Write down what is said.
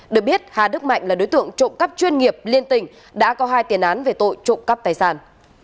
được biết hà đức mạnh là đối tượng trộm cắp chuyên nghiệp liên tỉnh đã có hai tiền án về tội trộm cắp tài sản